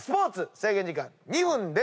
制限時間２分です。